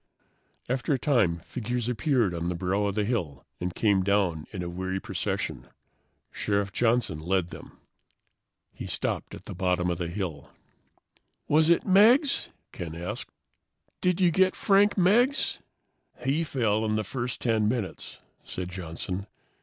After a time, figures appeared on the brow of the hill and came down in a weary procession. Sheriff Johnson led them. He stopped at the bottom of the hill. "Was it Meggs?" Ken asked. "Did you get Frank Meggs?" "He fell in the first 10 minutes," said Johnson.